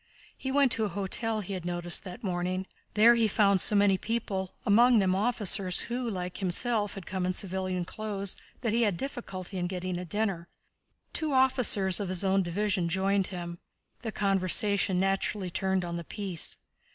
He went to a hotel he had noticed that morning. There he found so many people, among them officers who, like himself, had come in civilian clothes, that he had difficulty in getting a dinner. Two officers of his own division joined him. The conversation naturally turned on the peace.